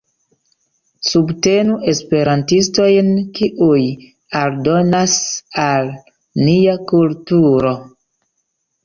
Subtenu esperantistojn, kiuj aldonas al nia kulturo.